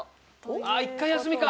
あっ１回休みか。